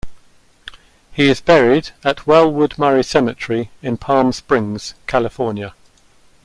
He is buried at Welwood Murray Cemetery in Palm Springs, California.